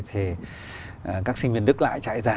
thì các sinh viên đức lại chạy ra